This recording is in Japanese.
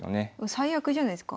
最悪じゃないすか。